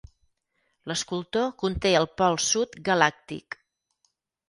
L'Escultor conté el pol sud galàctic.